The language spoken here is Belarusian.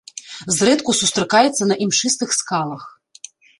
Зрэдку сустракаецца на імшыстых скалах.